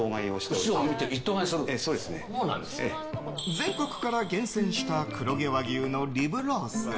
全国から厳選した黒毛和牛のリブロース。